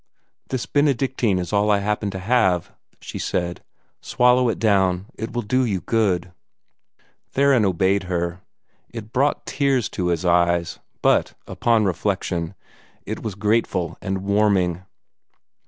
"This Benedictine is all I happen to have," she said. "Swallow it down. It will do you good." Theron obeyed her. It brought tears to his eyes; but, upon reflection, it was grateful and warming.